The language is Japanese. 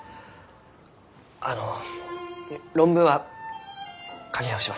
あの論文は書き直しますき。